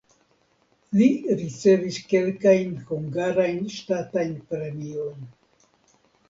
Li ricevis kelkajn hungarajn ŝtatajn premiojn.